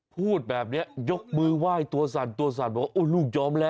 พูดแบบนี้ยกมือไหว้ตัวสั่นว่า